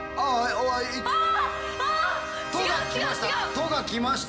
「と」がきました。